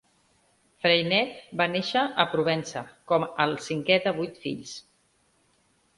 Freinet va néixer a Provença com al cinquè de vuit fills.